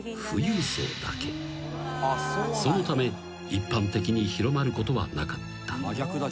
［そのため一般的に広まることはなかった］